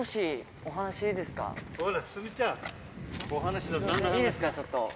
ほら、いいですか、ちょっと。